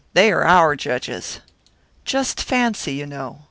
They are our judges.' Just fancy, you know!